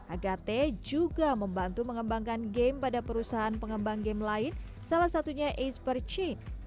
agate juga membantu mengembangkan game pada perusahaan pengembang game lain salah satunya ace per chain